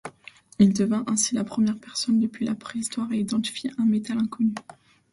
Il devint ainsi la première personne depuis la préhistoire à identifier un métal inconnu.